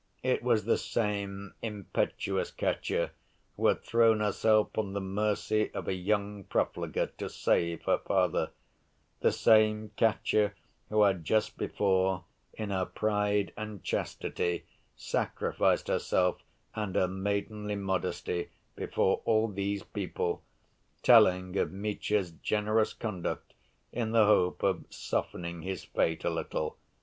It was the same impetuous Katya who had thrown herself on the mercy of a young profligate to save her father; the same Katya who had just before, in her pride and chastity, sacrificed herself and her maidenly modesty before all these people, telling of Mitya's generous conduct, in the hope of softening his fate a little.